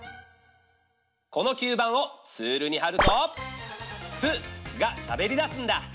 この吸盤をツールにはると「プ」がしゃべりだすんだ！